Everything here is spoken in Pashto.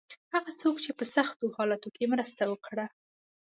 هغه څوک چې په سختو حالاتو کې مرسته وکړه.